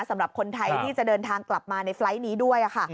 สำหรับคนไทยที่จะเดินทางกลับมาในไฟล์ทนี้ด้วยค่ะ